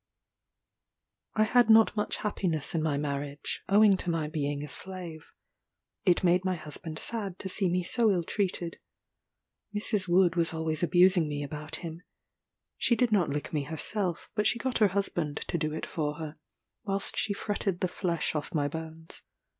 I had not much happiness in my marriage, owing to my being a slave. It made my husband sad to see me so ill treated. Mrs. Wood was always abusing me about him. She did not lick me herself, but she got her husband to do it for her, whilst she fretted the flesh off my bones.